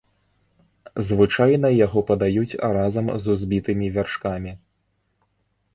Звычайна яго падаюць разам з узбітымі вяршкамі.